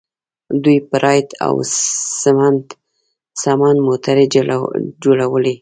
دوی پراید او سمند موټرې جوړوي.